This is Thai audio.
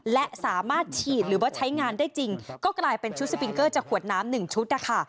และสามารถฉีดหรือว่าใช้งานได้จริงก็กลายเป็นชุดสปิงเกอร์จากขวดน้ำหนึ่งชุดนะคะ